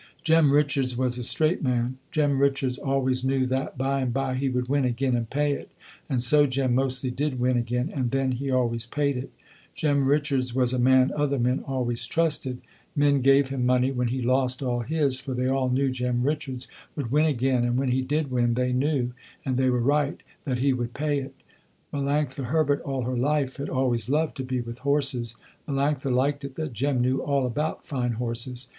Jem Richards was a straight man. Jem Richards always knew that by and by he would win again and pay it, and so Jem mostly did win again, and then he always paid it. Jem Richards was a man other men always trusted. Men gave him money when he lost all his, for they all knew Jem Richards would win again, and when he did win they knew, and they were right, that he would pay it. Melanctha Herbert all her life had always loved to be with horses. Melanctha liked it that Jem knew all about fine horses.